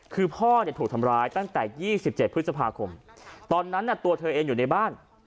คือพ่อถูกทำร้ายตั้งแต่๒๗พฤษภาคมตอนนั้นตัวเธอเองอยู่ในบ้าน